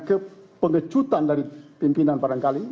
kepengecutan dari pimpinan pada kali